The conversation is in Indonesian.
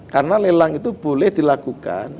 karena lelang itu boleh dilakukan